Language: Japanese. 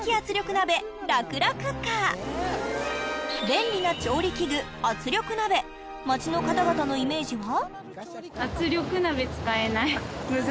便利な調理器具圧力鍋街の方々のイメージは？